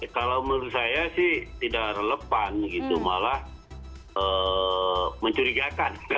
kalau menurut saya sih tidak relevan gitu malah mencurigakan